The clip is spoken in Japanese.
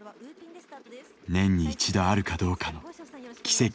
年に一度あるかどうかの奇跡を目指す。